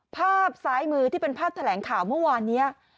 ภาพซ้ายมือที่เป็นภาพแถลงข่าวเมื่อวานนี้